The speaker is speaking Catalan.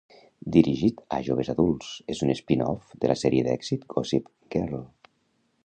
Dirigit a joves adults, és un spin-off de la sèrie d'èxit "Gossip Girl".